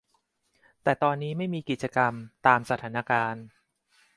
แต่ตอนนี้ไม่มีกิจกรรม ตามสถานการณ์